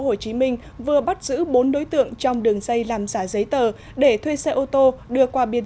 hồ chí minh vừa bắt giữ bốn đối tượng trong đường dây làm giả giấy tờ để thuê xe ô tô đưa qua biên